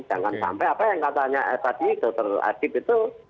jangan sampai apa yang katanya tadi dokter azib itu